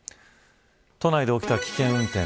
都内で起きた危険運転。